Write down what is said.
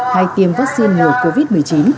hay tiêm vaccine ngừa covid một mươi chín